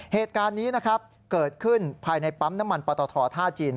เหตุการณ์นี้เกิดขึ้นภายในปั๊มน้ำมันปลาต่อทอท่าจีน